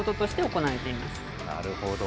なるほど。